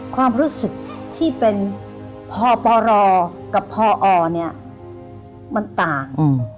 ความรู้สึกที่เป็นพปรกับพอเนี่ยมันต่าง